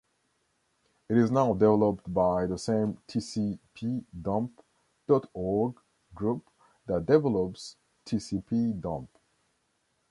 It is now developed by the same tcpdump dot org group that develops tcpdump.